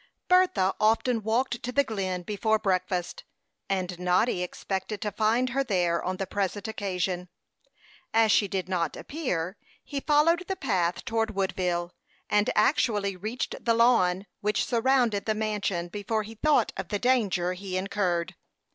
Bertha often walked to the Glen before breakfast, and Noddy expected to find her there on the present occasion. As she did not appear, he followed the path toward Woodville, and actually reached the lawn which surrounded the mansion before he thought of the danger he incurred.